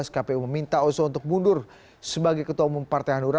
kpu meminta oso untuk mundur sebagai ketua umum partai hanura